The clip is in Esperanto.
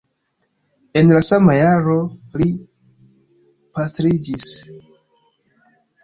En la sama jaro li pastriĝis.